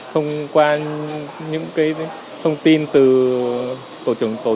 thông qua những cái thông tin từ tổ dân phố này công an khu vực